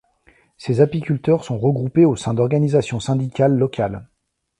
Ces apiculteurs sont regroupés au sein d’organisations syndicales locales.